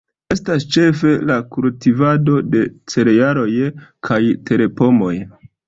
Estas ĉefe la kultivado de cerealoj kaj terpomoj.